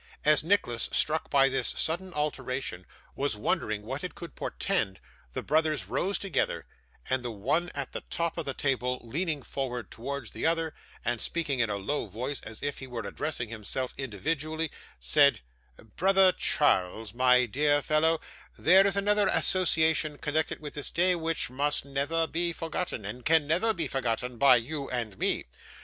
As Nicholas, struck by this sudden alteration, was wondering what it could portend, the brothers rose together, and the one at the top of the table leaning forward towards the other, and speaking in a low voice as if he were addressing him individually, said: 'Brother Charles, my dear fellow, there is another association connected with this day which must never be forgotten, and never can be forgotten, by you and me.